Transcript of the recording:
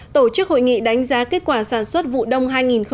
tổ chức hội nghị đánh giá kết quả sản xuất vụ đông hai nghìn một mươi chín